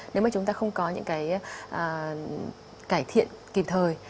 nếu mà chúng ta không có những cái cải thiện kịp thời